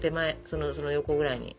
その横ぐらいに。